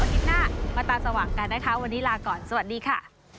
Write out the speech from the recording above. อาทิตย์หน้ามาตาสว่างกันนะคะวันนี้ลาก่อนสวัสดีค่ะ